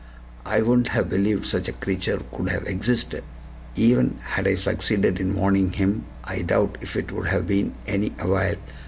I wouldn't have believed such a creature could have existed." Even had I succeeded in warning him, I doubt if it would have been of any avail.